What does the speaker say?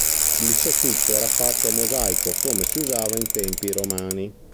Il soffitto era fatto a mosaico, come si usava in tempi romani.